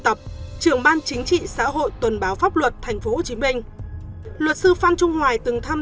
tập trưởng ban chính trị xã hội tuần báo pháp luật tp hcm luật sư phan trung hoài từng thăm